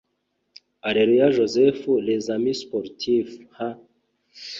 Areruya Joseph (Les Amis Sportifs) h’”